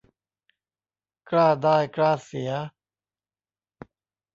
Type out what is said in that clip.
กล้าได้กล้าเสีย